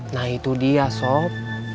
nah itu dia sob